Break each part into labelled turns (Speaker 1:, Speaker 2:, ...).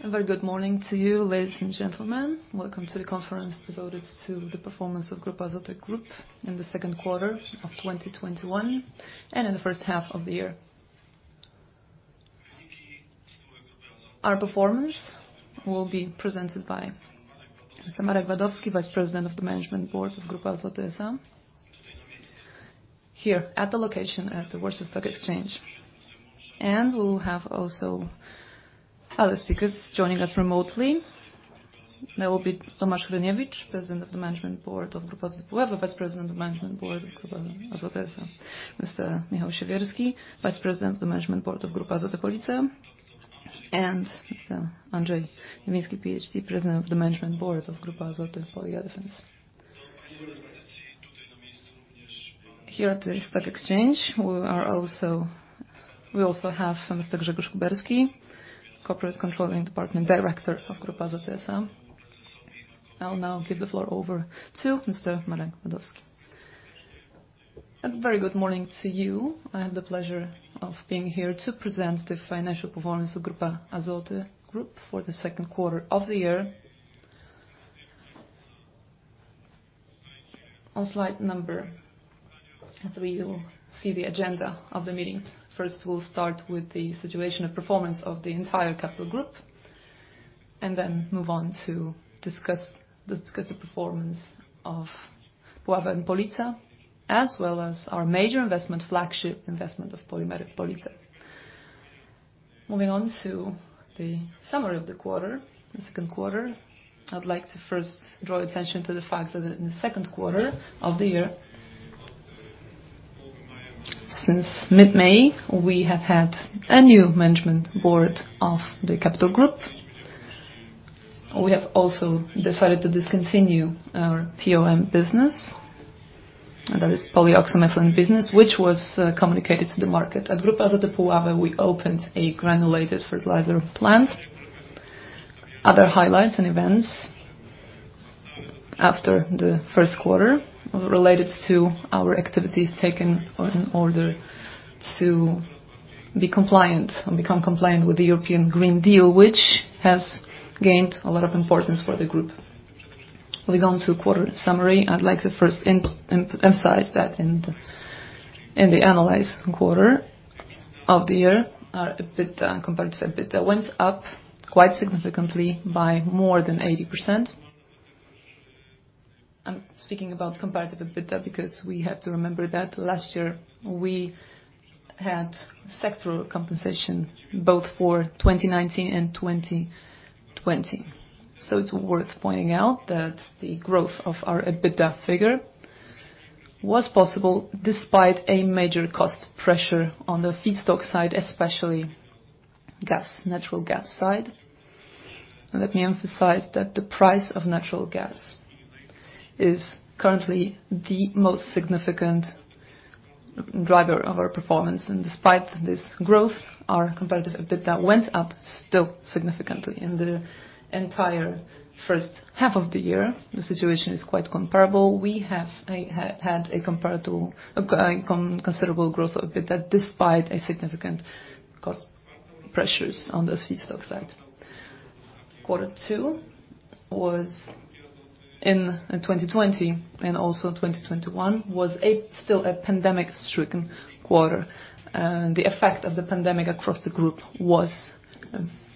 Speaker 1: A very good morning to you, ladies and gentlemen. Welcome to the conference devoted to the performance of Grupa Azoty Group in the second quarter of 2021 and in the first half of the year. Our performance will be presented by Mr. Marek Wadowski, Vice President of the Management Board of Grupa Azoty S.A., here at the location at the Warsaw Stock Exchange. We will have also other speakers joining us remotely. There will be Tomasz Hryniewicz, President of the Management Board of Grupa Azoty Puławy, Vice President of the Management Board of Grupa Azoty S.A., Mr. Michał Siewierski, Vice President of the Management Board of Grupa Azoty Police, and Mr. Andrzej Niewiński, PhD, President of the Management Board of Grupa Azoty Polyolefins. Here at the stock exchange, we also have Mr. Grzegorz Kuberski, Corporate Controlling Department Director of Grupa Azoty S.A. I'll now give the floor over to Mr. Marek Wadowski.
Speaker 2: A very good morning to you. I have the pleasure of being here to present the financial performance of Grupa Azoty Group for the second quarter of the year. On slide number three, you'll see the agenda of the meeting. First, we'll start with the situation of performance of the entire Capital Group. Then move on to discuss the performance of Puławy and Police, as well as our major investment, flagship investment of Polimery Police. Moving on to the summary of the quarter, the second quarter, I'd like to first draw attention to the fact that in the second quarter of the year, since mid-May, we have had a new Management Board of the Capital Group. We have also decided to discontinue our POM business, and that is polyoxymethylene business, which was communicated to the market. At Grupa Azoty Puławy, we opened a granulated fertilizer plant. Other highlights and events after the first quarter related to our activities taken in order to be compliant and become compliant with the European Green Deal, which has gained a lot of importance for the group. Moving on to quarter summary, I'd like to first emphasize that in the analyzed quarter of the year, our EBITDA and comparative EBITDA went up quite significantly by more than 80%. I'm speaking about comparative EBITDA, because we have to remember that last year we had sectoral compensation both for 2019 and 2020. It's worth pointing out that the growth of our EBITDA figure was possible despite a major cost pressure on the feedstock side, especially natural gas side. Let me emphasize that the price of natural gas is currently the most significant driver of our performance, and despite this growth, our comparative EBITDA went up still significantly in the entire first half of the year. The situation is quite comparable. We have had a considerable growth of EBITDA despite significant cost pressures on the feedstock side. Quarter two in 2020 and also 2021 was still a pandemic-stricken quarter. The effect of the pandemic across the group was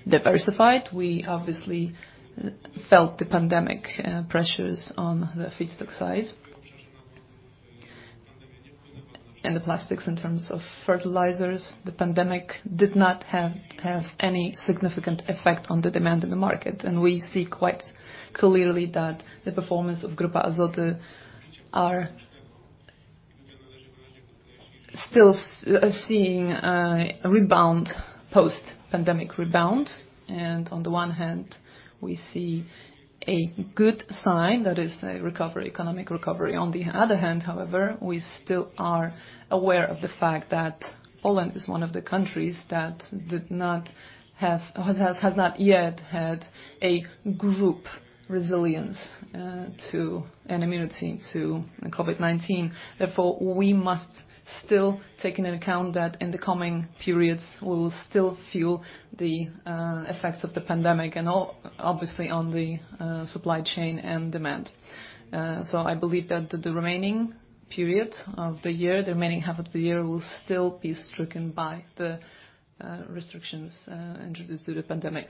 Speaker 2: diversified. We obviously felt the pandemic pressures on the feedstock side and the plastics in terms of fertilizers. The pandemic did not have any significant effect on the demand in the market, and we see quite clearly that the performance of Grupa Azoty are still seeing a post-pandemic rebound. On the one hand, we see a good sign that is a recovery, economic recovery. On the other hand, we still are aware of the fact that Poland is one of the countries that has not yet had a group resilience to an immunity to COVID-19. We must still take into account that in the coming periods, we will still feel the effects of the pandemic and obviously on the supply chain and demand. I believe that the remaining period of the year, the remaining half of the year, will still be stricken by the restrictions introduced due to the pandemic.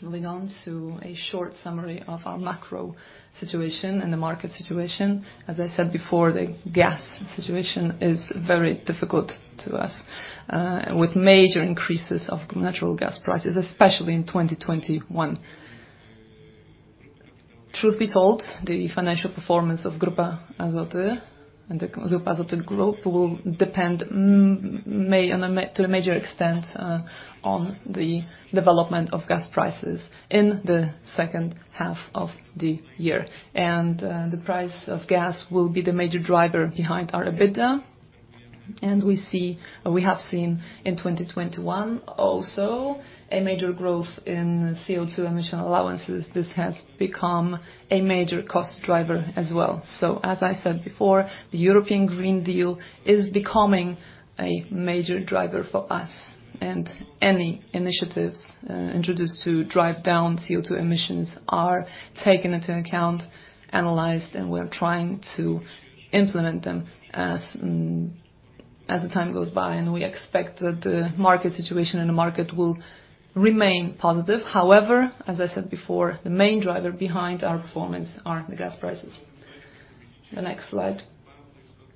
Speaker 2: Moving on to a short summary of our macro situation and the market situation. As I said before, the gas situation is very difficult to us, with major increases of natural gas prices, especially in 2021. Truth be told, the financial performance of Grupa Azoty and the Grupa Azoty Group will depend to a major extent on the development of gas prices in the second half of the year. The price of gas will be the major driver behind our EBITDA. We have seen in 2021 also a major growth in CO2 emission allowances. This has become a major cost driver as well. As I said before, the European Green Deal is becoming a major driver for us and any initiatives introduced to drive down CO2 emissions are taken into account, analyzed, and we're trying to implement them as the time goes by and we expect that the market situation and the market will remain positive. However, as I said before, the main driver behind our performance are the gas prices. The next slide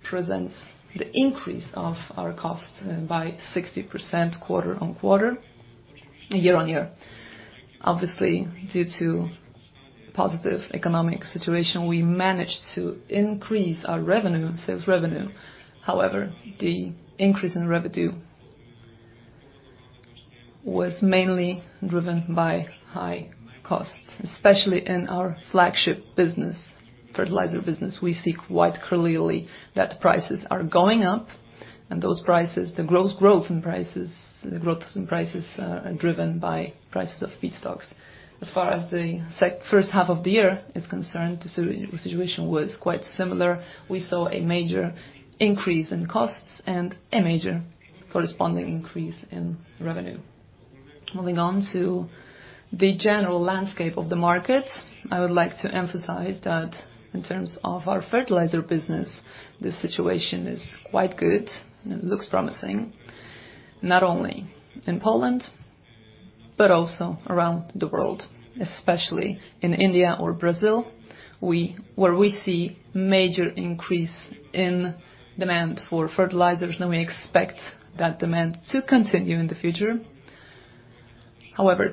Speaker 2: presents the increase of our costs by 60% quarter-on-quarter, year-on-year. Obviously, due to positive economic situation, we managed to increase our sales revenue. The increase in revenue was mainly driven by high costs, especially in our flagship business, fertilizer business. We see quite clearly that prices are going up and the growth in prices are driven by prices of feedstocks. As far as the first half of the year is concerned, the situation was quite similar. We saw a major increase in costs and a major corresponding increase in revenue. Moving on to the general landscape of the market, I would like to emphasize that in terms of our fertilizer business, the situation is quite good and it looks promising, not only in Poland, but also around the world, especially in India or Brazil, where we see major increase in demand for fertilizers, and we expect that demand to continue in the future.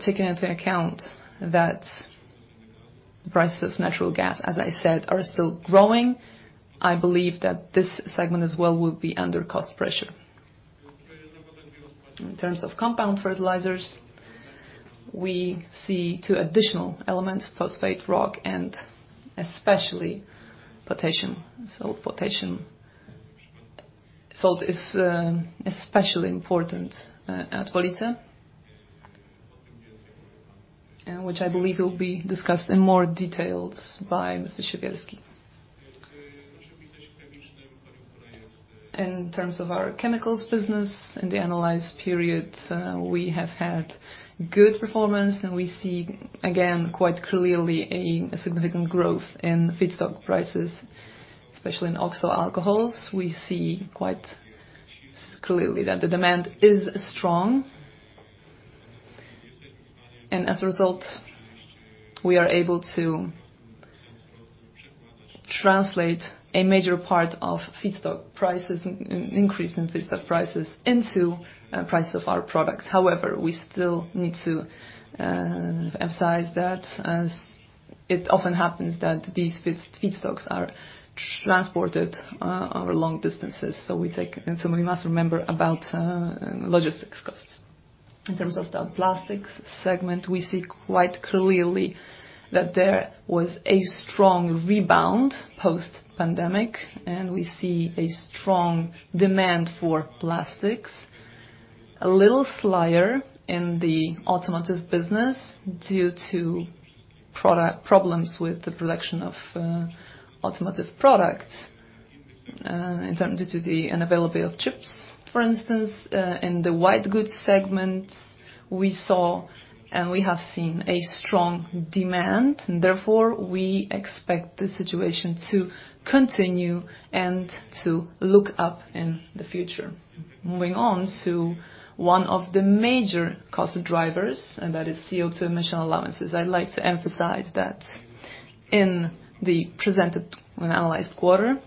Speaker 2: Taking into account that the prices of natural gas, as I said, are still growing, I believe that this segment as well will be under cost pressure. In terms of compound fertilizers, we see two additional elements, phosphate rock and especially potassium. Potassium salt is especially important at Police, which I believe will be discussed in more details by Mr. Siewierski. In terms of our chemicals business in the analyzed periods, we have had good performance and we see, again, quite clearly a significant growth in feedstock prices, especially in oxo alcohols. We see quite clearly that the demand is strong. As a result, we are able to translate a major part of increase in feedstock prices into prices of our products. However, we still need to emphasize that as it often happens that these feedstocks are transported over long distances, we must remember about logistics costs. In terms of the Plastics Segment, we see quite clearly that there was a strong rebound post-pandemic, and we see a strong demand for plastics. A little slower in the automotive business due to problems with the production of automotive products, and due to the unavailability of chips, for instance, in the white goods segments we saw and we have seen a strong demand, and therefore we expect the situation to continue and to look up in the future. Moving on to one of the major cost drivers, and that is CO2 emission allowances. I'd like to emphasize that in the presented and analyzed quarter,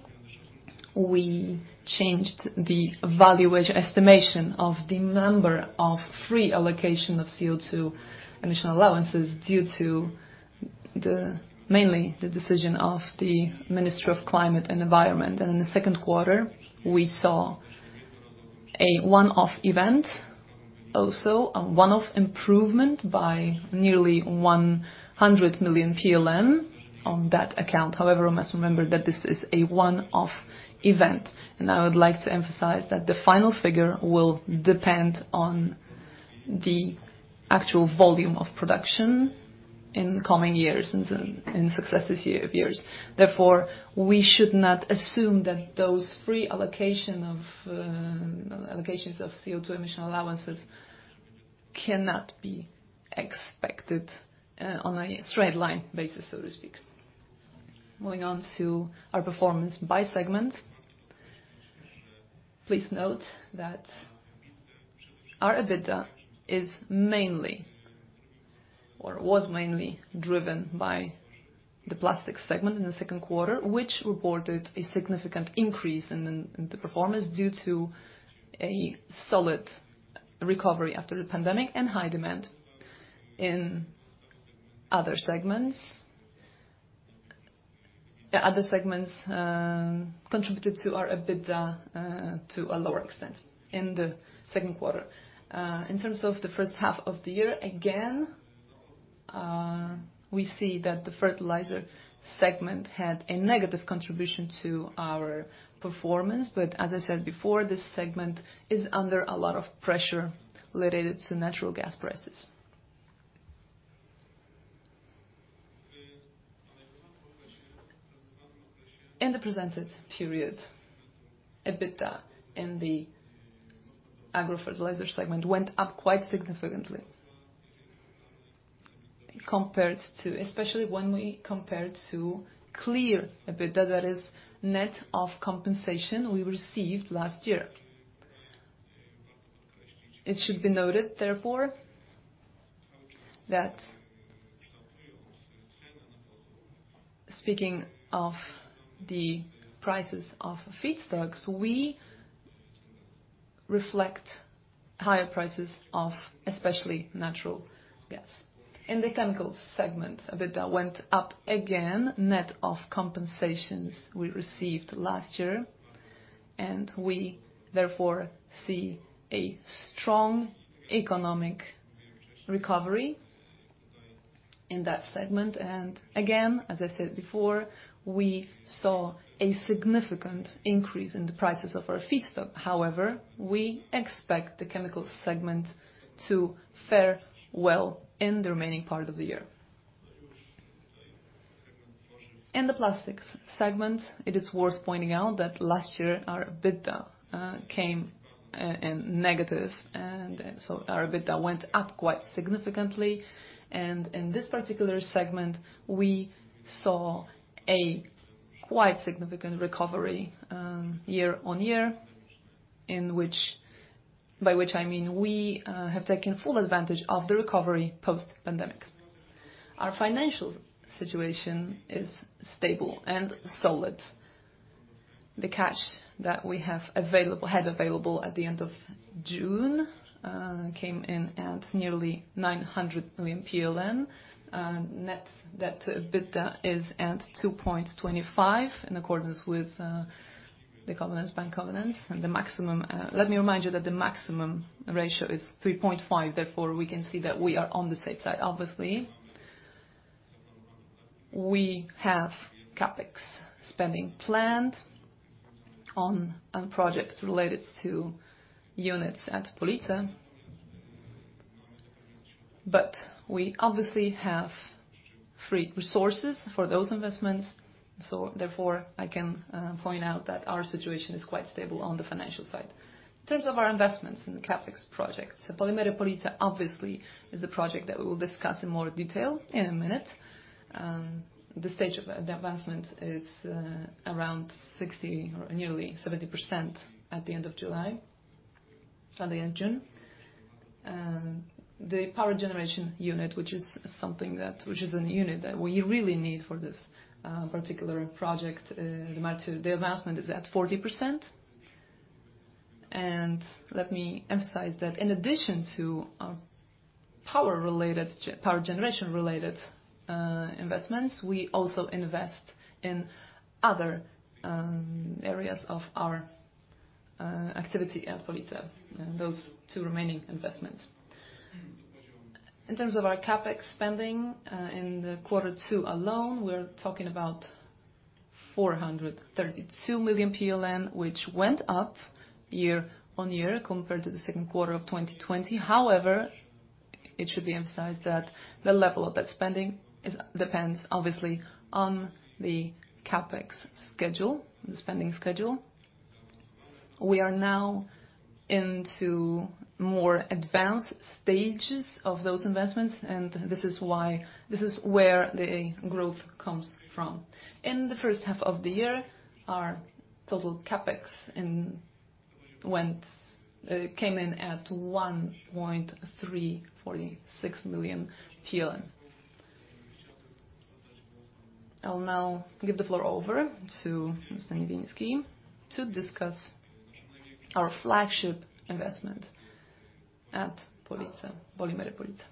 Speaker 2: we changed the valuation estimation of the number of free allocation of CO2 emission allowances due to mainly the decision of the Ministry of Climate and Environment. In the second quarter, we saw a one-off event also, a one-off improvement by nearly 100 million PLN on that account. We must remember that this is a one-off event, and I would like to emphasize that the final figure will depend on the actual volume of production in the coming years and successive years. We should not assume that those free allocations of CO2 emission allowances cannot be expected on a straight line basis, so to speak. Moving on to our performance by segment. Please note that our EBITDA is mainly or was mainly driven by the Plastic Segment in the second quarter, which reported a significant increase in the performance due to a solid recovery after the pandemic and high demand in other segments. The other segments contributed to our EBITDA to a lower extent in the second quarter. In terms of the first half of the year, we see that the fertilizer segment had a negative contribution to our performance. As I said before, this segment is under a lot of pressure related to natural gas prices. In the presented period, EBITDA in the Agro Fertilizer Segment went up quite significantly, especially when we compare to clear EBITDA, that is net of compensation we received last year. It should be noted, therefore, that speaking of the prices of feedstocks, we reflect higher prices of especially natural gas. In the chemicals segment, EBITDA went up again, net of compensations we received last year, and we therefore see a strong economic recovery in that segment. Again, as I said before, we saw a significant increase in the prices of our feedstock. However, we expect the chemical segment to fare well in the remaining part of the year. In the Plastics Segment, it is worth pointing out that last year our EBITDA came in negative. Our EBITDA went up quite significantly. In this particular segment, we saw a quite significant recovery year-on-year, by which I mean we have taken full advantage of the recovery post-pandemic. Our financial situation is stable and solid. The cash that we had available at the end of June came in at nearly 900 million PLN net. Debt to EBITDA is at 2.25 in accordance with the covenants, bank covenants and the maximum. Let me remind you that the maximum ratio is 3.5, therefore, we can see that we are on the safe side. Obviously, we have CapEx spending planned on projects related to units at Police, but we obviously have free resources for those investments. Therefore, I can point out that our situation is quite stable on the financial side. In terms of our investments in the CapEx projects, Polimery Police obviously is a project that we will discuss in more detail in a minute. The stage of the advancement is around 60% or nearly 70% at the end of June. The power generation unit, which is a unit that we really need for this particular project, the advancement is at 40%. Let me emphasize that in addition to our power generation-related investments, we also invest in other areas of our activity at Police and those two remaining investments. In terms of our CapEx spending in the Q2 alone, we're talking about 432 million PLN, which went up year-on-year compared to the Q2 2020. It should be emphasized that the level of that spending depends obviously on the CapEx schedule, the spending schedule. We are now into more advanced stages of those investments, and this is where the growth comes from. In the first half of the year, our total CapEx came in at 1.346 million PLN. I'll now give the floor over to Mr. Niewiński to discuss our flagship investment at Polimery Police.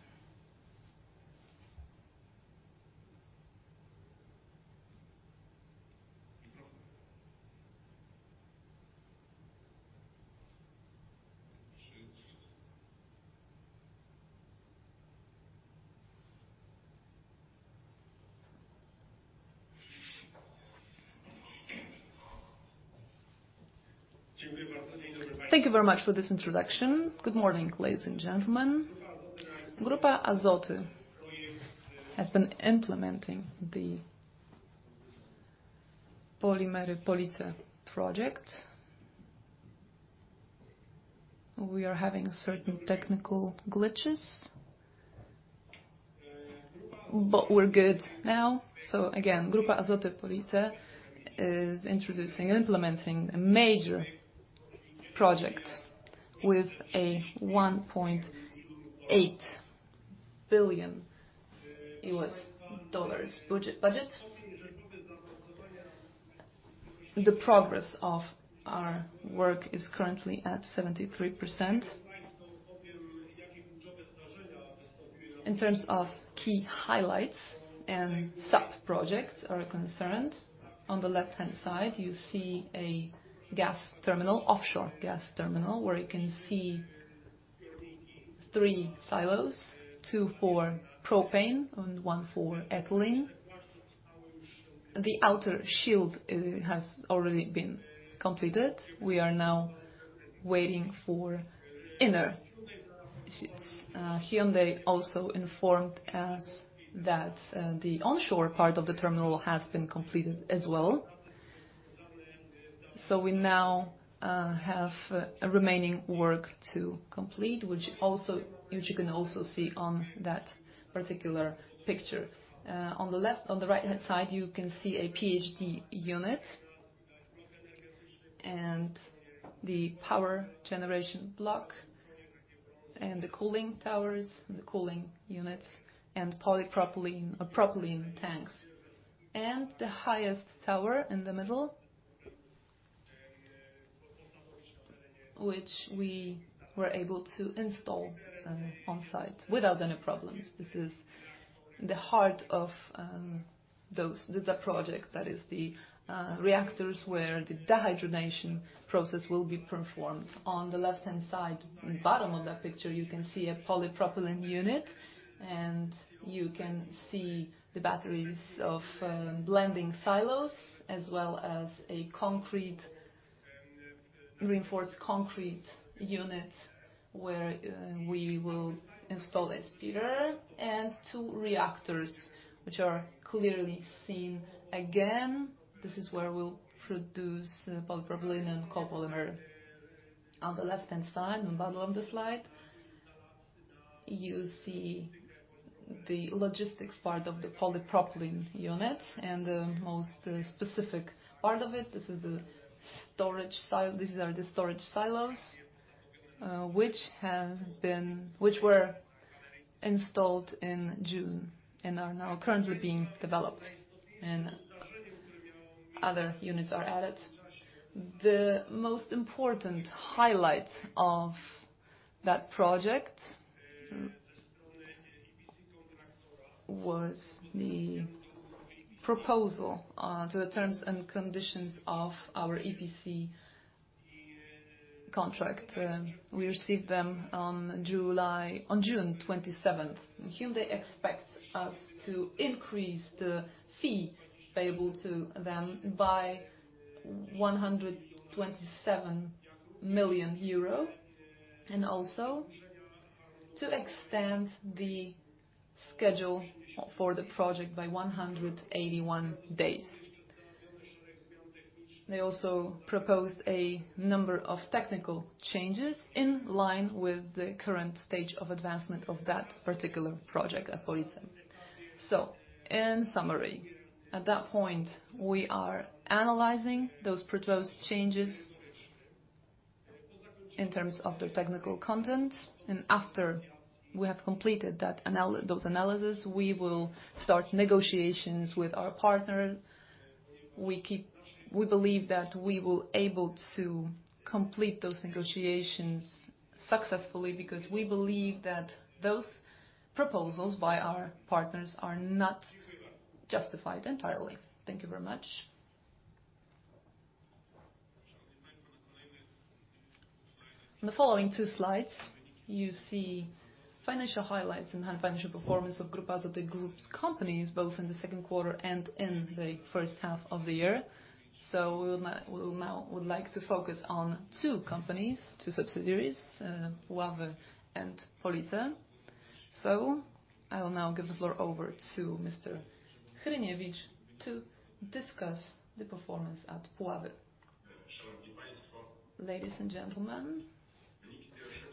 Speaker 3: Thank you very much for this introduction. Good morning, ladies and gentlemen. Grupa Azoty has been implementing the Polimery Police project. We are having certain technical glitches, but we're good now. Grupa Azoty Police is introducing and implementing a major project with a $1.8 billion budget. The progress of our work is currently at 73%. In terms of key highlights and sub-projects are concerned. On the left-hand side, you see a offshore gas terminal where you can see three silos, two for propane and one for ethylene. The outer shield has already been completed. We are now waiting for inner shields. Hyundai also informed us that the onshore part of the terminal has been completed as well. We now have a remaining work to complete, which you can also see on that particular picture. On the right-hand side, you can see a PDH unit and the power generation block and the cooling towers and the cooling units and propylene tanks. The highest tower in the middle, which we were able to install on site without any problems. This is the heart of the project. That is the reactors where the dehydrogenation process will be performed. On the left-hand side, bottom of that picture, you can see a polypropylene unit, and you can see the batteries of blending silos as well as a reinforced concrete unit where we will install a splitter and two reactors, which are clearly seen again. This is where we'll produce polypropylene and copolymer. On the left-hand side, on the bottom of the slide, you see the logistics part of the polypropylene unit and the most specific part of it. These are the storage silos, which were installed in June and are now currently being developed, and other units are added. The most important highlight of that project was the proposal to the terms and conditions of our EPC contract. We received them on June 27th. Hyundai expects us to increase the fee payable to them by EUR 127 million, and also to extend the schedule for the project by 181 days. They also proposed a number of technical changes in line with the current stage of advancement of that particular project at Polimery Police. In summary, at that point, we are analyzing those proposed changes in terms of their technical content, and after we have completed those analysis, we will be able to complete those negotiations successfully because we believe that those proposals by our partners are not justified entirely. Thank you very much.
Speaker 2: On the following two slides, you see financial highlights and financial performance of Grupa Azoty Group's companies, both in the second quarter and in the first half of the year. We now would like to focus on two companies, two subsidiaries, Grupa Azoty Puławy and Grupa Azoty Police. I will now give the floor over to Mr. Tomasz Hryniewicz to discuss the performance at Grupa Azoty Puławy.
Speaker 4: Ladies and gentlemen,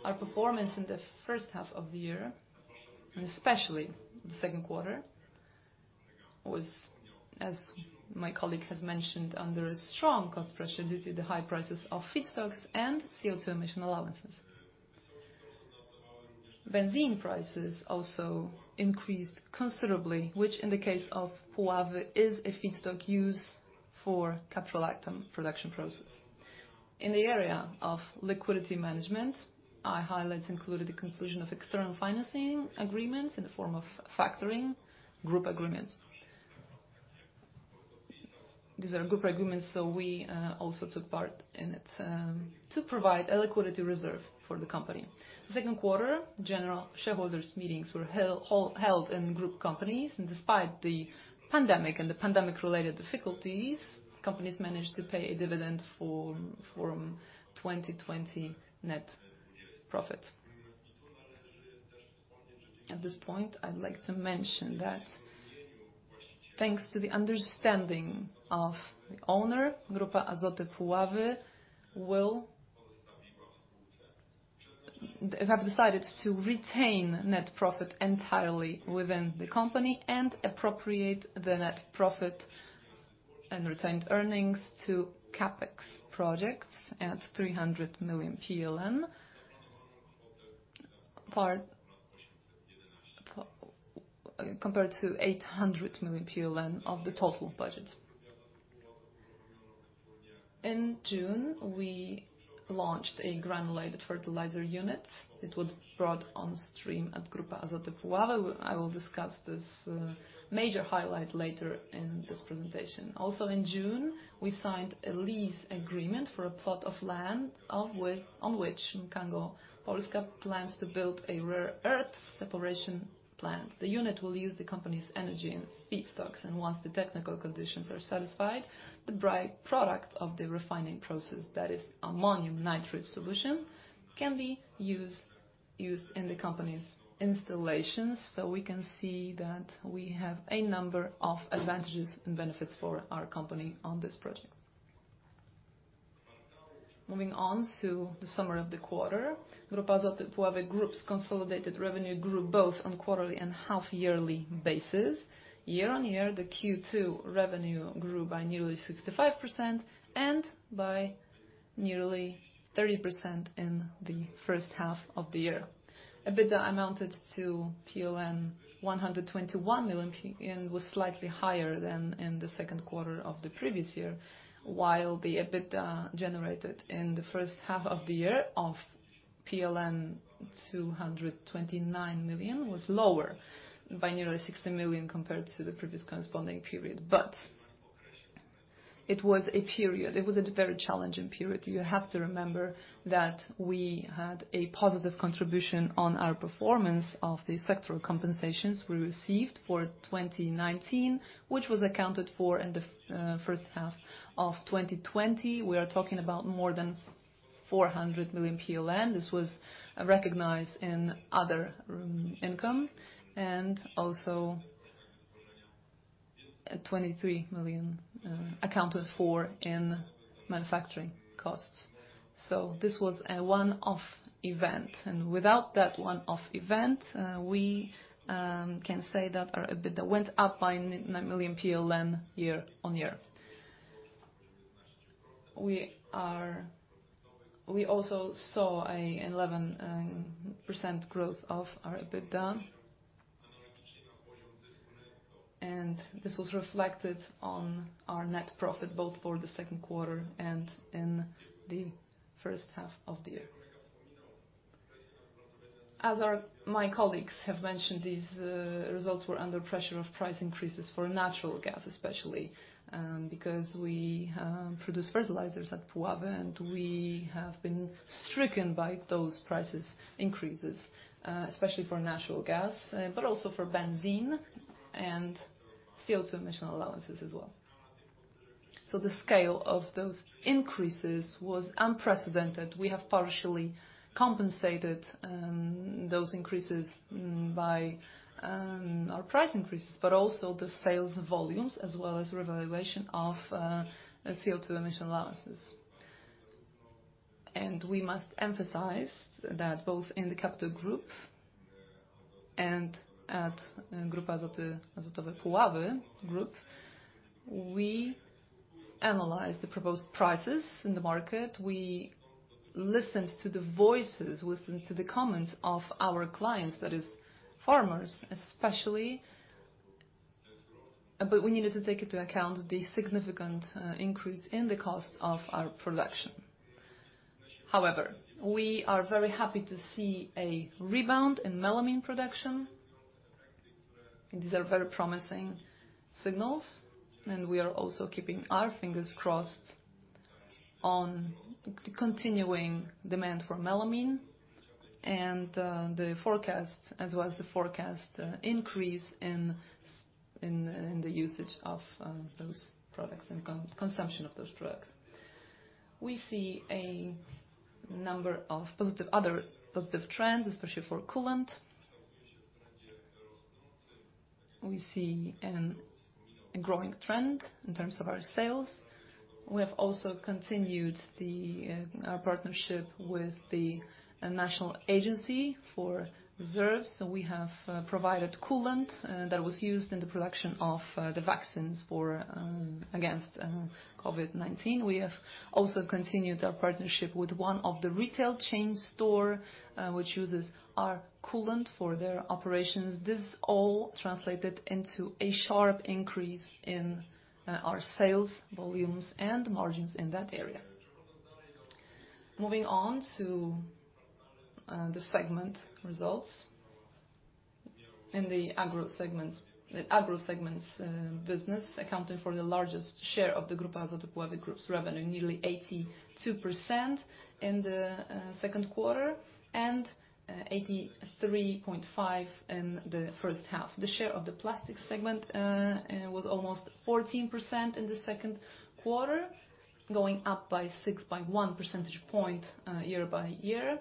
Speaker 4: our performance in the first half of the year, and especially the second quarter, was, as my colleague has mentioned, under a strong cost pressure due to the high prices of feedstocks and CO2 emission allowances. Benzene prices also increased considerably, which in the case of Puławy is a feedstock used for caprolactam production process. In the area of liquidity management, our highlights included the conclusion of external financing agreements in the form of factoring group agreements. These are group agreements, so we also took part in it, to provide a liquidity reserve for the company. The second quarter, general shareholders meetings were held in group companies, and despite the pandemic and the pandemic-related difficulties, companies managed to pay a dividend for 2020 net profits. At this point, I'd like to mention that thanks to the understanding of the owner, Grupa Azoty Puławy have decided to retain net profit entirely within the company and appropriate the net profit and retained earnings to CapEx projects at PLN 300 million, compared to 800 million of the total budget. In June, we launched a granulated fertilizer unit. It was brought on stream at Grupa Azoty Puławy. I will discuss this major highlight later in this presentation. In June, we signed a lease agreement for a plot of land on which Mkango Polska plans to build a rare earth separation plant. The unit will use the company's energy and feedstocks, and once the technical conditions are satisfied, the by product of the refining process, that is ammonium nitrate solution, can be used in the company's installations. We can see that we have a number of advantages and benefits for our company on this project. Moving on to the summary of the quarter, Grupa Azoty Puławy Group's consolidated revenue grew both on quarterly and half-yearly basis. Year-on-year, the Q2 revenue grew by nearly 65% and by nearly 30% in the first half of the year. EBITDA amounted to PLN 121 million and was slightly higher than in the second quarter of the previous year, while the EBITDA generated in the first half of the year of PLN 229 million was lower by nearly 60 million compared to the previous corresponding period. It was a very challenging period. You have to remember that we had a positive contribution on our performance of the sectoral compensations we received for 2019, which was accounted for in the first half of 2020. We are talking about more than 400 million PLN. This was recognized in other income and also 23 million accounted for in manufacturing costs. This was a one-off event. Without that one-off event, we can say that our EBITDA went up by 9 million PLN year-on-year. We also saw an 11% growth of our EBITDA, and this was reflected on our net profit both for the second quarter and in the first half of the year. As my colleagues have mentioned, these results were under pressure of price increases for natural gas, especially because we produce fertilizers at Puławy, and we have been stricken by those prices increases, especially for natural gas, but also for benzene and CO2 emission allowances as well. The scale of those increases was unprecedented. We have partially compensated those increases by our price increases, but also the sales volumes as well as revaluation of CO2 emission allowances. We must emphasize that both in the Capital Group and at Grupa Azoty Puławy Group, we analyzed the proposed prices in the market. We listened to the voices, listened to the comments of our clients, that is farmers especially, but we needed to take into account the significant increase in the cost of our production. However, we are very happy to see a rebound in melamine production. These are very promising signals, and we are also keeping our fingers crossed on the continuing demand for melamine and the forecast as well as the forecast increase in the usage of those products and consumption of those products. We see a number of other positive trends, especially for coolant. We see a growing trend in terms of our sales. We have also continued our partnership with the National Agency for Reserves. We have provided coolant that was used in the production of the vaccines against COVID-19. We have also continued our partnership with one of the retail chain store, which uses our coolant for their operations. This all translated into a sharp increase in our sales volumes and margins in that area. Moving on to the segment results. In the Agro Segment business, accounting for the largest share of the Grupa Azoty Puławy Group's revenue, 82% in the second quarter and 83.5% in the first half. The share of the Plastics Segment was 14% in the second quarter, going up by 6.1 percentage points year-by-year.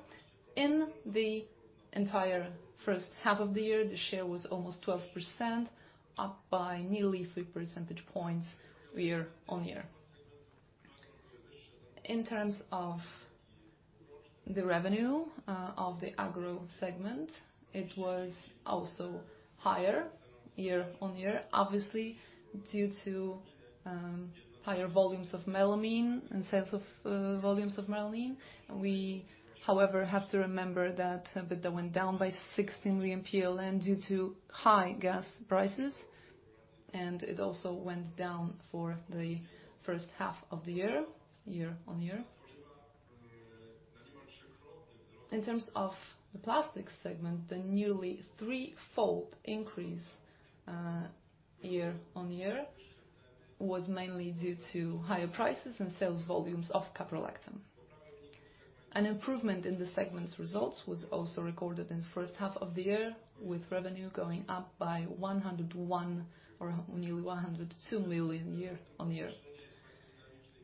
Speaker 4: In the entire first half of the year, the share was 12%, up by 3 percentage points year-on-year. In terms of the revenue of the Agro Segment, it was also higher year-on-year, obviously, due to higher volumes of melamine and sales of volumes of melamine. We, however, have to remember that EBITDA went down by 16 million PLN due to high gas prices. It also went down for the first half of the year-on-year. In terms of the Plastics Segment, the nearly threefold increase year-on-year was mainly due to higher prices and sales volumes of caprolactam. An improvement in the segment's results was also recorded in the first half of the year, with revenue going up by 101 million or nearly 102 million year-on-year.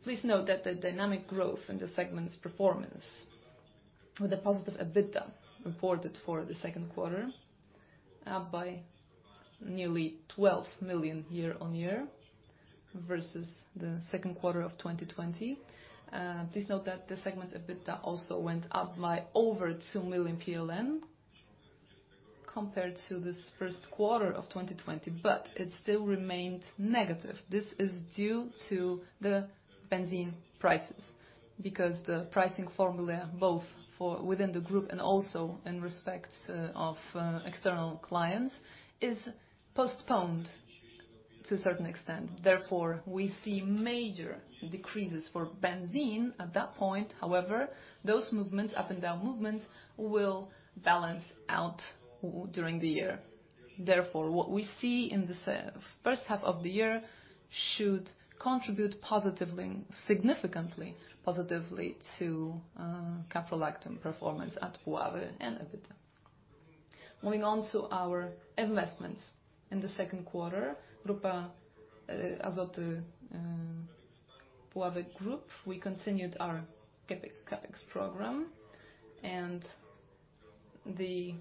Speaker 4: Please note that the dynamic growth in the segment's performance with a positive EBITDA reported for the second quarter, up by nearly 12 million year-on-year versus the second quarter of 2020. Please note that the segment's EBITDA also went up by over 2 million PLN compared to the first quarter of 2020, it still remained negative. This is due to the benzene prices, the pricing formula, both for within the group and also in respect of external clients, is postponed to a certain extent. We see major decreases for benzene at that point. Those movements, up and down movements, will balance out during the year. What we see in the first half of the year should contribute significantly positively to caprolactam performance at Puławy and EBITDA. Moving on to our investments. In the second quarter, Grupa Azoty Puławy Group, we continued our CapEx program, the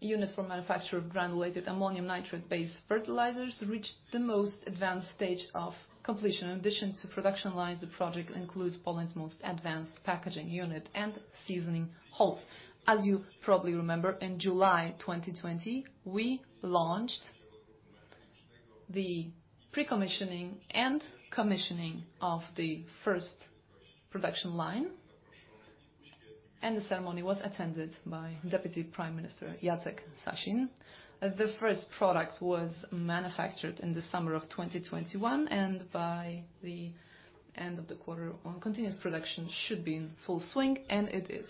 Speaker 4: unit for manufacture of granulated ammonium nitrate-based fertilizers reached the most advanced stage of completion. In addition to production lines, the project includes Poland's most advanced packaging unit and seasoning halls. As you probably remember, in July 2020, we launched the pre-commissioning and commissioning of the first production line, and the ceremony was attended by Deputy Prime Minister Jacek Sasin. The first product was manufactured in the summer of 2021, and by the end of the quarter, continuous production should be in full swing, and it is.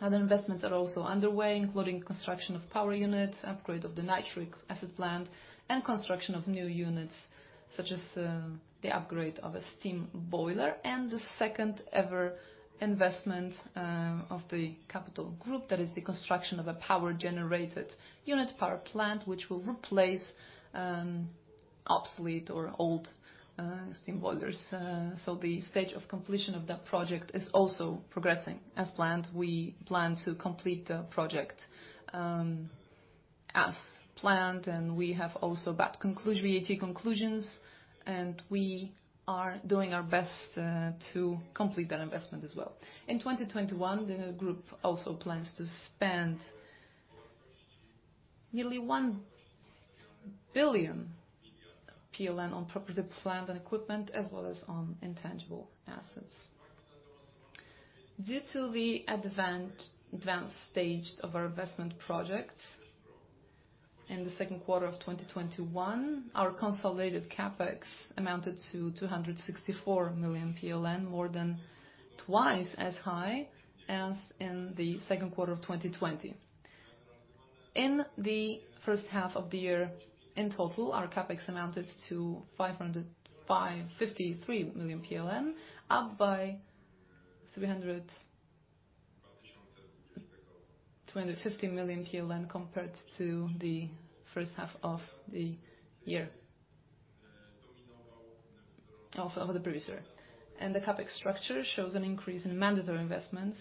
Speaker 4: Other investments are also underway, including construction of power units, upgrade of the nitric acid plant, and construction of new units such as the upgrade of a steam boiler and the second-ever investment of the Capital Group, that is the construction of a power-generated unit power plant, which will replace obsolete or old steam boilers. The stage of completion of that project is also progressing as planned. We plan to complete the project as planned, and we have also VAT conclusions, and we are doing our best to complete that investment as well. In 2021, the group also plans to spend nearly 1 billion PLN on property, plant, and equipment, as well as on intangible assets. Due to the advanced stage of our investment projects in the second quarter of 2021, our consolidated CapEx amounted to 264 million PLN, more than twice as high as in the second quarter of 2020. In the first half of the year, in total, our CapEx amounted to 553 million PLN, up by PLN 350 million compared to the first half of the year, of the previous year. The CapEx structure shows an increase in mandatory investments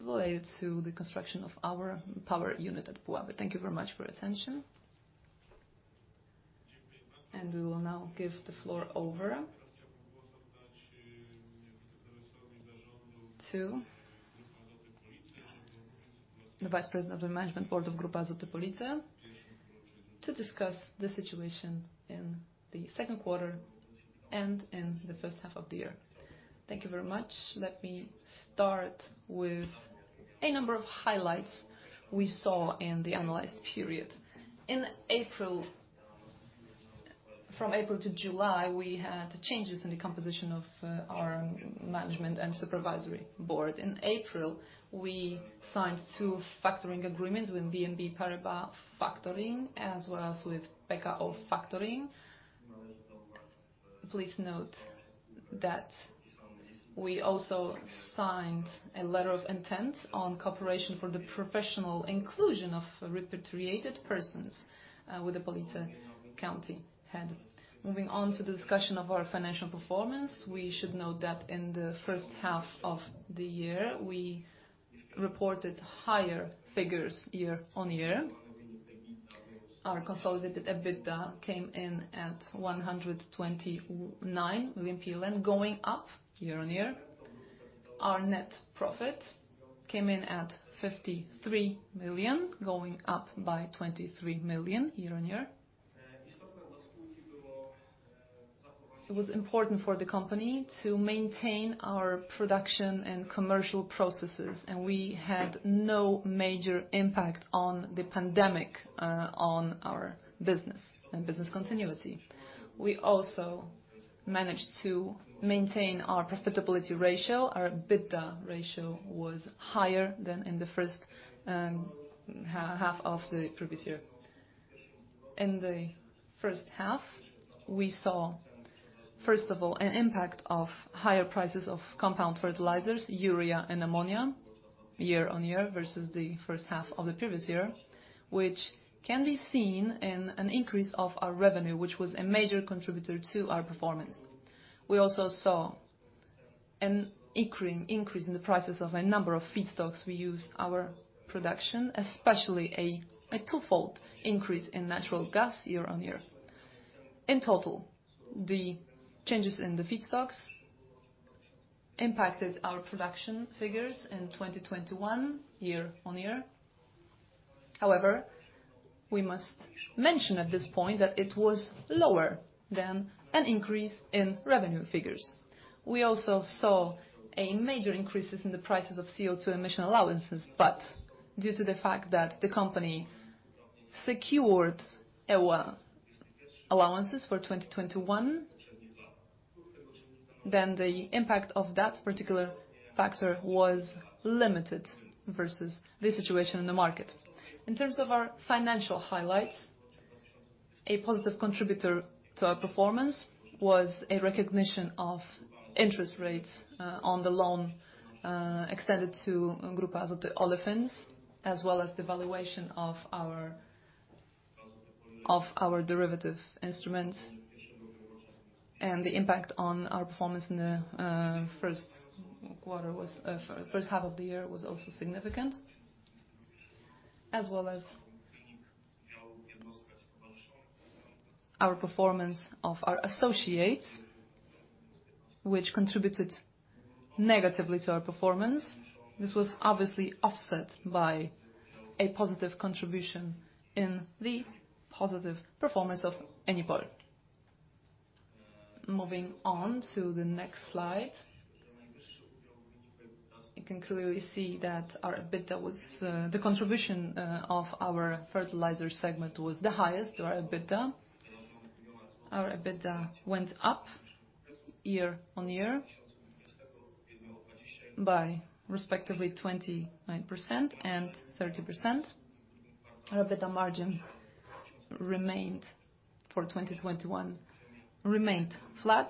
Speaker 4: related to the construction of our power unit at Puławy. Thank you very much for your attention.
Speaker 2: We will now give the floor over to the Vice President of the Management Board of Grupa Azoty Police to discuss the situation in the second quarter and in the first half of the year.
Speaker 5: Thank you very much. Let me start with a number of highlights we saw in the analyzed period. From April to July, we had changes in the composition of our management and supervisory board. In April, we signed two factoring agreements with BNP Paribas Factoring, as well as with PKO Faktoring. Please note that we also signed a letter of intent on cooperation for the professional inclusion of repatriated persons with the Police county head. Moving on to the discussion of our financial performance, we should note that in the first half of the year, we reported higher figures year-over-year. Our consolidated EBITDA came in at 129 million PLN, going up year-on-year. Our net profit came in at 53 million, going up by 23 million year-on-year. It was important for the company to maintain our production and commercial processes. We had no major impact on the pandemic on our business and business continuity. We also managed to maintain our profitability ratio. Our EBITDA ratio was higher than in the first half of the previous year. In the first half, we saw, first of all, an impact of higher prices of compound fertilizers, urea and ammonia, year-on-year, versus the first half of the previous year, which can be seen in an increase of our revenue, which was a major contributor to our performance. We also saw an increase in the prices of a number of feedstocks we use our production, especially a twofold increase in natural gas year-on-year. The changes in the feedstocks impacted our production figures in 2021 year-on-year. We must mention at this point that it was lower than an increase in revenue figures. We also saw a major increase in the prices of CO2 emission allowances, but due to the fact that the company secured EUA allowances for 2021, then the impact of that particular factor was limited versus the situation in the market. In terms of our financial highlights, a positive contributor to our performance was a recognition of interest rates on the loan extended to Grupa Azoty Polyolefins, as well as the valuation of our derivative instruments and the impact on our performance in the first half of the year was also significant, as well as our performance of our associates, which contributed negatively to our performance. This was obviously offset by a positive contribution in the positive performance of Azoty-Adipol. Moving on to the next slide. You can clearly see that the contribution of our fertilizer segment was the highest to our EBITDA. Our EBITDA went up year-on-year by respectively 29% and 30%. Our EBITDA margin, for 2021, remained flat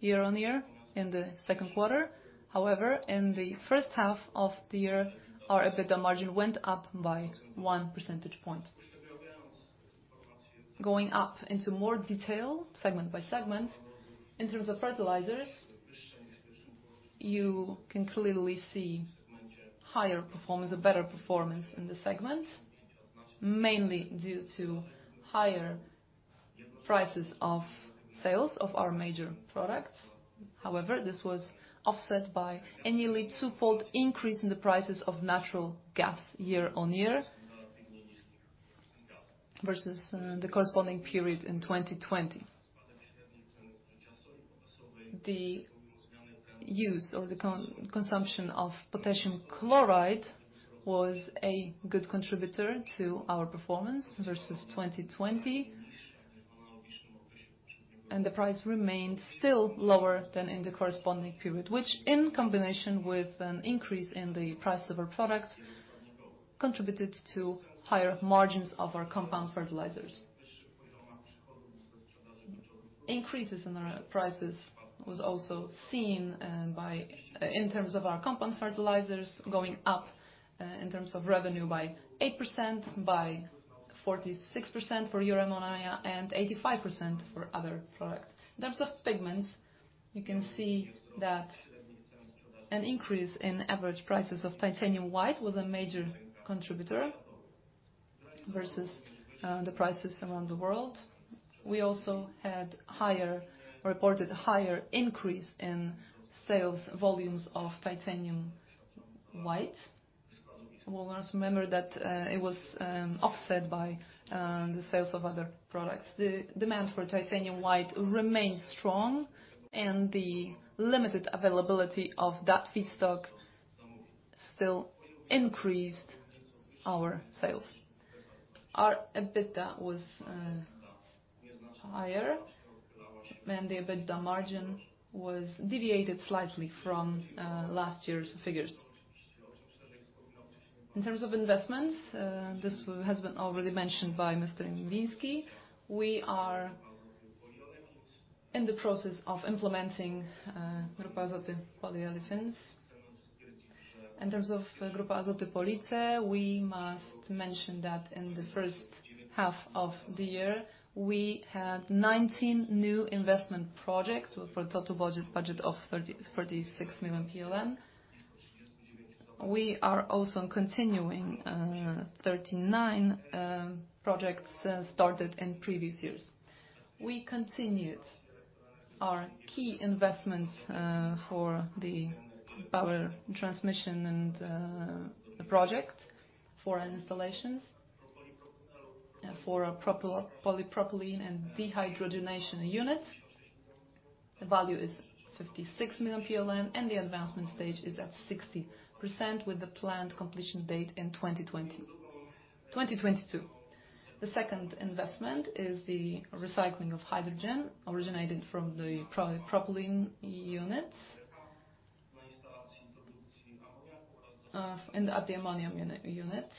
Speaker 5: year-on-year in the second quarter. However, in the first half of the year, our EBITDA margin went up by 1 percentage point. Going up into more detail, segment by segment. In terms of fertilizers, you can clearly see a better performance in the segment, mainly due to higher prices of sales of our major products. This was offset by a nearly twofold increase in the prices of natural gas year-on-year, versus the corresponding period in 2020. The use or the consumption of potassium chloride was a good contributor to our performance versus 2020. The price remained still lower than in the corresponding period, which in combination with an increase in the price of our products, contributed to higher margins of our compound fertilizers. Increases in our prices was also seen in terms of our compound fertilizers going up in terms of revenue by 8%, by 46% for urea ammonia and 85% for other products. In terms of pigments, you can see that an increase in average prices of titanium white was a major contributor versus the prices among the world. We also reported higher increase in sales volumes of titanium white. We must remember that it was offset by the sales of other products. The demand for titanium white remains strong, and the limited availability of that feedstock still increased our sales. Our EBITDA was higher, and the EBITDA margin was deviated slightly from last year's figures. In terms of investments, this has been already mentioned by Mr. Niewiński. We are in the process of implementing Grupa Azoty Polyolefins. In terms of Grupa Azoty Police, we must mention that in the first half of the year, we had 19 new investment projects with a total budget of 36 million PLN. We are also continuing 39 projects started in previous years. We continued our key investments for the power transmission and the project for our installations for a polypropylene and dehydrogenation unit, the value is 56 million PLN, and the advancement stage is at 60% with the planned completion date in 2022. The second investment is the recycling of hydrogen, originated from the propylene unit, and at the ammonium unit.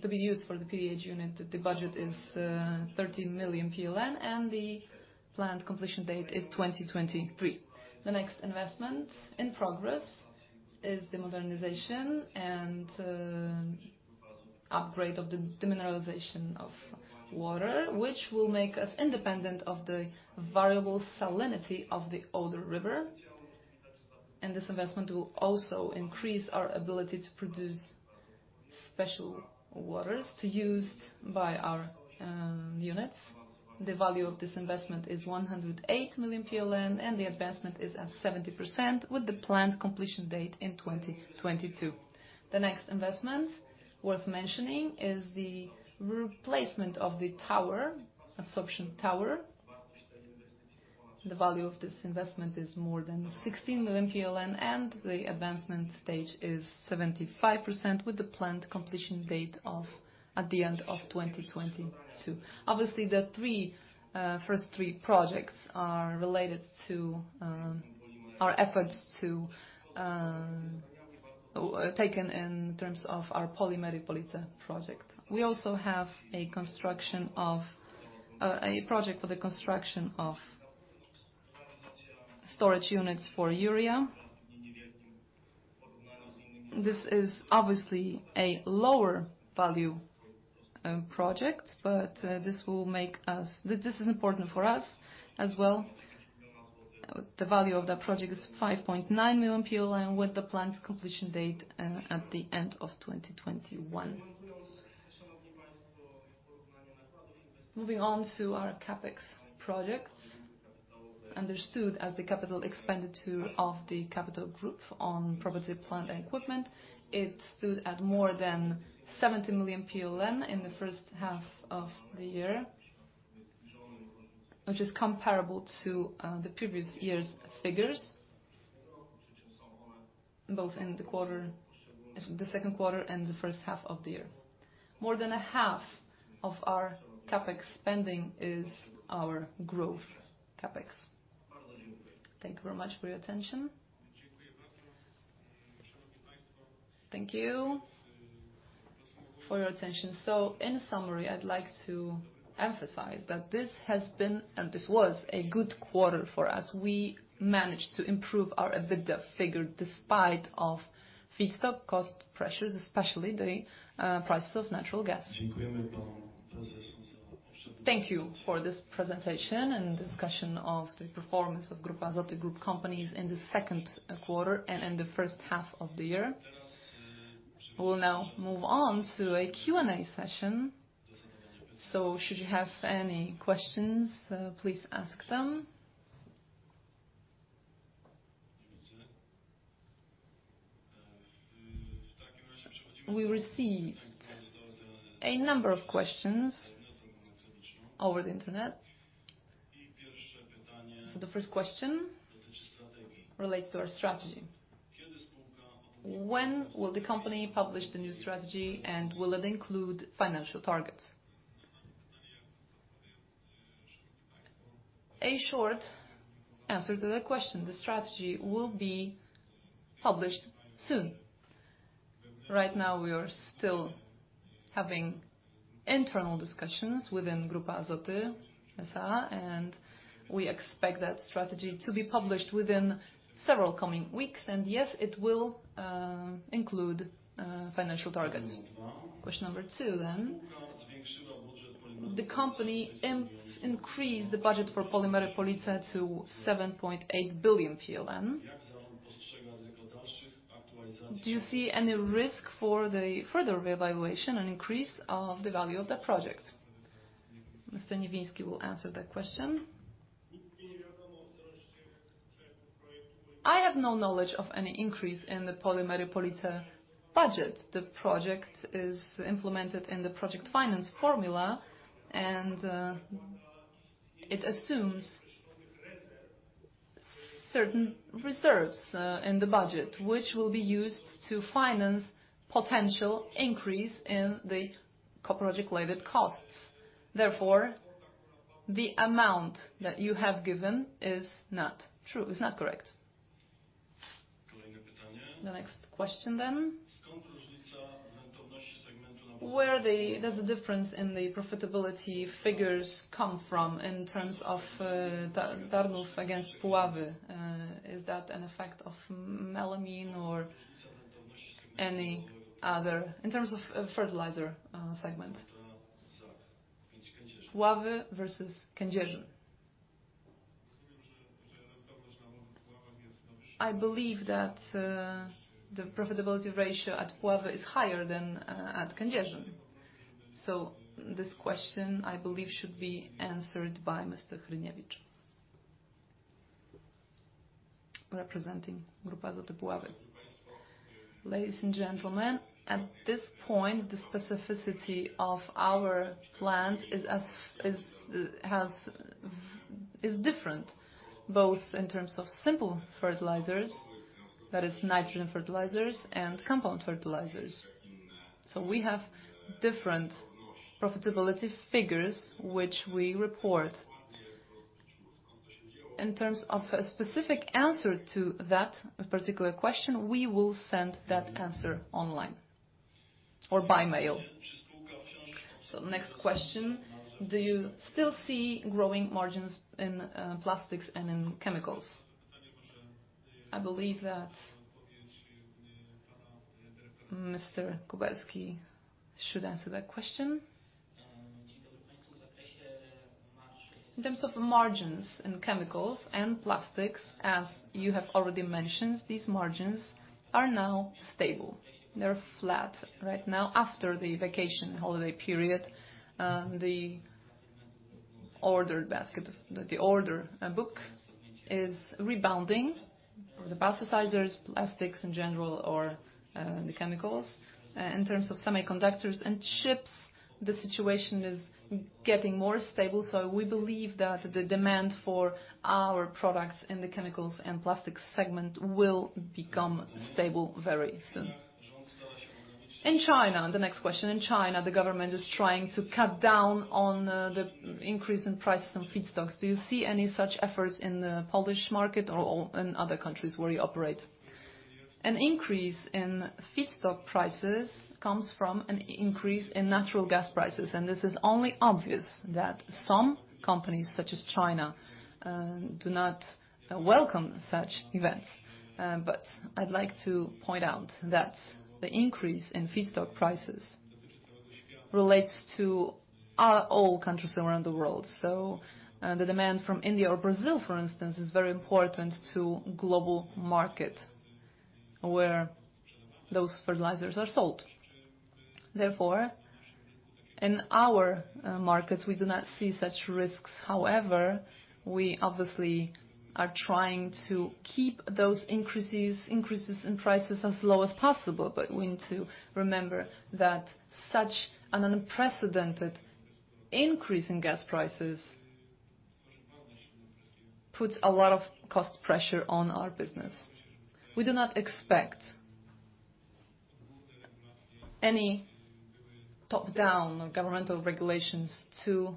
Speaker 5: To be used for the PDH unit. The budget is 30 million PLN, and the planned completion date is 2023. The next investment in progress is the modernization and upgrade of the demineralization of water, which will make us independent of the variable salinity of the Oder River. This investment will also increase our ability to produce special waters to use by our units. The value of this investment is 108 million PLN, and the advancement is at 70%, with the planned completion date in 2022. The next investment worth mentioning is the replacement of the absorption tower. The value of this investment is more than 16 million PLN, and the advancement stage is 75%, with the planned completion date at the end of 2022. Obviously, the first three projects are related to our efforts taken in terms of our Polimery Police project. We also have a project for the construction of storage units for urea. This is obviously a lower value project, but this is important for us as well. The value of that project is 5.9 million with the planned completion date at the end of 2021. Moving on to our CapEx projects, understood as the capital expenditure of the Capital Group on property, plant, and equipment. It stood at more than 70 million PLN in the first half of the year, which is comparable to the previous year's figures, both in the second quarter and the first half of the year. More than a half of our CapEx spending is our growth CapEx. Thank you very much for your attention.
Speaker 2: Thank you for your attention. In summary, I'd like to emphasize that this was a good quarter for us. We managed to improve our EBITDA figure despite of feedstock cost pressures, especially the prices of natural gas.
Speaker 1: Thank you for this presentation and discussion of the performance of Grupa Azoty group companies in the second quarter and in the first half of the year. We'll now move on to a Q&A session. Should you have any questions, please ask them. We received a number of questions over the Internet. The first question relates to our strategy. When will the company publish the new strategy, and will it include financial targets?
Speaker 2: A short answer to that question. The strategy will be published soon. Right now, we are still having internal discussions within Grupa Azoty S.A, and we expect that strategy to be published within several coming weeks. Yes, it will include financial targets.
Speaker 1: Question number two. The company increased the budget for Polimery Police to PLN 7.8 billion. Do you see any risk for the further revaluation and increase of the value of that project? Mr. Andrzej Niewiński will answer that question.
Speaker 3: I have no knowledge of any increase in the Polimery Police budget. The project is implemented in the project finance formula, and it assumes certain reserves in the budget, which will be used to finance potential increase in the project-related costs. Therefore, the amount that you have given is not true, is not correct.
Speaker 1: The next question. Where does the difference in the profitability figures come from in terms of Tarnów against Puławy? Is that an effect of melamine or any other, in terms of fertilizer segment? Puławy versus Kędzierzyn.
Speaker 2: I believe that the profitability ratio at Puławy is higher than at Kędzierzyn. This question, I believe, should be answered by Mr. Hryniewicz, representing Grupa Azoty Puławy.
Speaker 4: Ladies and gentlemen, at this point, the specificity of our plans is different, both in terms of simple fertilizers, that is nitrogen fertilizers, and compound fertilizers. We have different profitability figures which we report. In terms of a specific answer to that particular question, we will send that answer online or by mail.
Speaker 1: Next question, do you still see growing margins in plastics and in chemicals?
Speaker 2: I believe that Mr. Kuberski should answer that question.
Speaker 6: In terms of margins in chemicals and plastics, as you have already mentioned, these margins are now stable. They are flat right now after the vacation holiday period. The order book is rebounding the plasticizers, plastics in general or the chemicals. In terms of semiconductors and chips, the situation is getting more stable. We believe that the demand for our products in the chemicals and Plastics Segment will become stable very soon.
Speaker 1: In China, the next question, in China, the government is trying to cut down on the increase in prices on feedstocks. Do you see any such efforts in the Polish market or in other countries where you operate?
Speaker 2: An increase in feedstock prices comes from an increase in natural gas prices. This is only obvious that some companies, such as China, do not welcome such events. I'd like to point out that the increase in feedstock prices relates to all countries around the world. The demand from India or Brazil, for instance, is very important to global market where those fertilizers are sold. In our markets, we do not see such risks. We obviously are trying to keep those increases in prices as low as possible, but we need to remember that such an unprecedented increase in gas prices puts a lot of cost pressure on our business. We do not expect any top-down governmental regulations to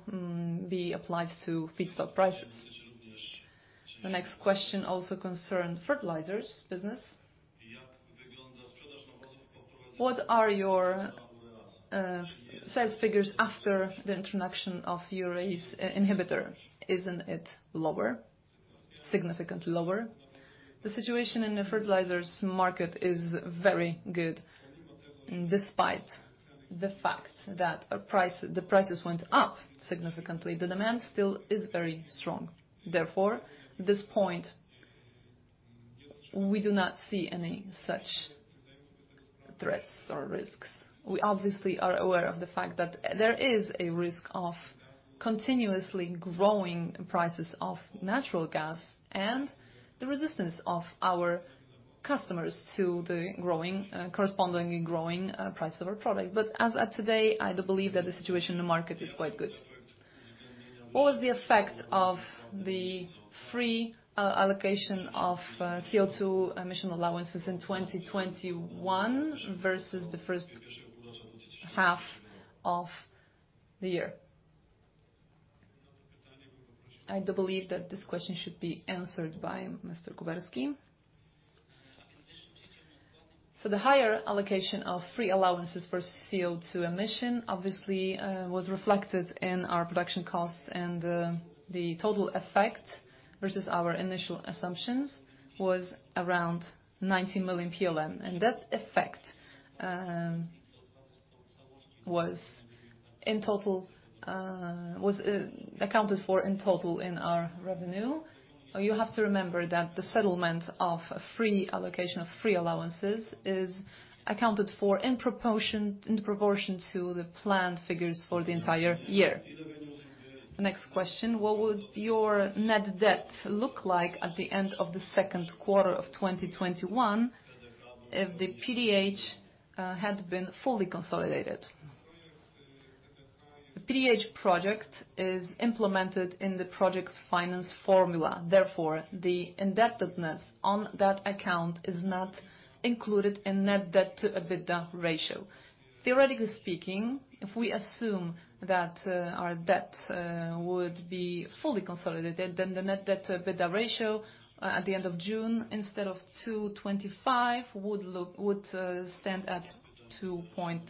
Speaker 2: be applied to feedstock prices.
Speaker 1: The next question also concerns fertilizers business. What are your sales figures after the introduction of your urease inhibitor? Isn't it lower, significantly lower?
Speaker 2: The situation in the fertilizers market is very good. Despite the fact that the prices went up significantly, the demand still is very strong. Therefore, at this point, we do not see any such threats or risks. We obviously are aware of the fact that there is a risk of continuously growing prices of natural gas and the resistance of our customers to the correspondingly growing price of our product. As at today, I do believe that the situation in the market is quite good.
Speaker 1: What was the effect of the free allocation of CO2 emission allowances in 2021 versus the first half of the year?
Speaker 2: I do believe that this question should be answered by Mr. Kuberski.
Speaker 6: The higher allocation of free allowances for CO2 emission obviously was reflected in our production costs, and the total effect versus our initial assumptions was around 90 million PLN. That effect was accounted for in total in our revenue. You have to remember that the settlement of a free allocation of free allowances is accounted for in proportion to the planned figures for the entire year.
Speaker 1: The next question, what would your net debt look like at the end of Q2 2021 if the PDH had been fully consolidated?
Speaker 2: The PDH project is implemented in the project finance formula. The indebtedness on that account is not included in net debt to EBITDA ratio. Theoretically speaking, if we assume that our debt would be fully consolidated, then the net debt to EBITDA ratio at the end of June, instead of 2.25, would stand at 2.6.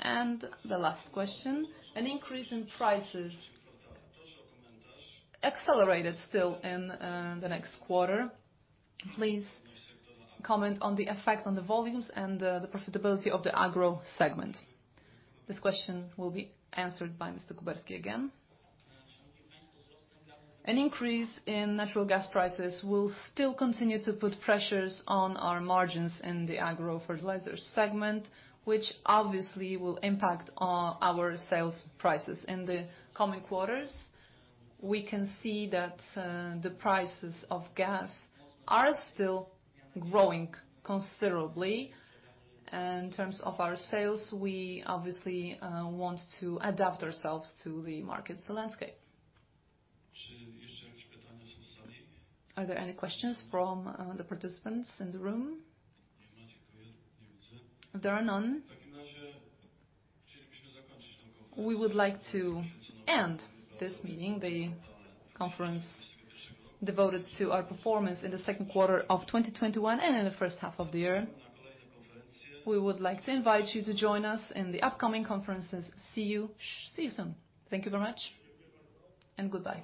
Speaker 1: The last question, an increase in prices accelerated still in the next quarter. Please comment on the effect on the volumes and the profitability of the Agro Segment.
Speaker 2: This question will be answered by Mr. Kuberski again.
Speaker 6: An increase in natural gas prices will still continue to put pressures on our margins in the Agro Fertilizer Segment, which obviously will impact our sales prices in the coming quarters. We can see that the prices of gas are still growing considerably. In terms of our sales, we obviously want to adapt ourselves to the market's landscape.
Speaker 1: Are there any questions from the participants in the room? There are none. We would like to end this meeting, the conference devoted to our performance in the second quarter of 2021 and in the first half of the year. We would like to invite you to join us in the upcoming conferences. See you soon. Thank you very much and goodbye.